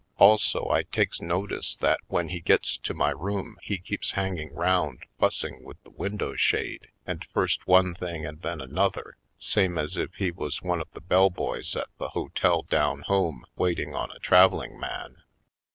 Also, I takes notice that when he gets to my room he keeps hanging round fussing with the win dow shade and first one thing and then an other, same as if he was one of the bell boys at the hotel down home waiting on a travel ing man.